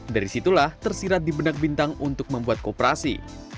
dari situlah tersirat di benak bintang untuk membuat kooperasi